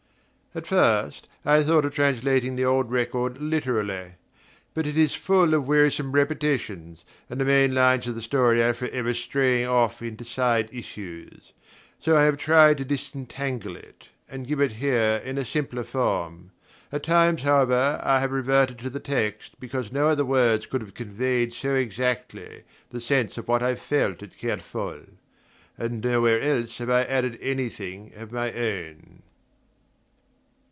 At first I thought of translating the old record literally. But it is full of wearisome repetitions, and the main lines of the story are forever straying off into side issues. So I have tried to disentangle it, and give it here in a simpler form. At times, however, I have reverted to the text because no other words could have conveyed so exactly the sense of what I felt at Kerfol; and nowhere have I added anything of my own.